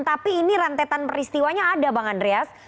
tapi ini rentetan peristiwanya ada bang andreas